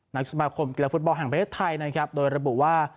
อภูมิวันฟุตบอลภูตบอลแห่งประเทศไทยนะครับโดยระบุว่า